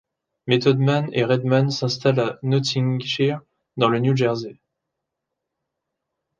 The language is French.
Method Man et Redman s'installent à Nottingshire dans le New Jersey.